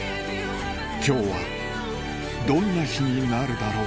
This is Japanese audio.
今日はどんな日になるだろう